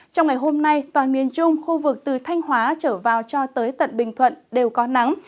trong ngày hôm nay toàn miền trung khu vực từ thanh hóa trở vào cho tới tận bình thuận đều có nắng